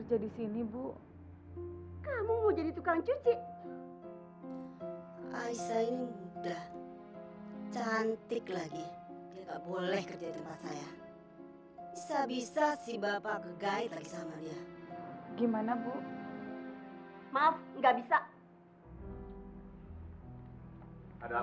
pak dia ini bukan mau bertamu ke rumah kita